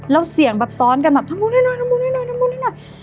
แล้วเสียงแบบซ้อนกันแบบทำบุญให้หน่อยทำบุญให้หน่อยน้ำมุนให้หน่อย